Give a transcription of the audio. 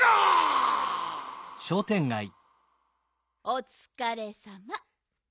おつかれさま。